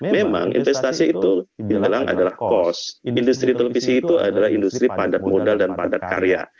memang investasi itu dibilang adalah cost industri televisi itu adalah industri padat modal dan padat karya